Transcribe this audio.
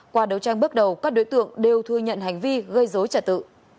qua đấu tranh bước đầu các đối tượng đều thừa nhận hành vi gây dối trả tự